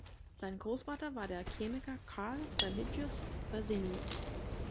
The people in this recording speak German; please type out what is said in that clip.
Sein Großvater war der Chemiker Carl Remigius Fresenius.